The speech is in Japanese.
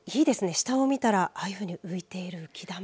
下を見たらああいうふうに浮いている浮き球。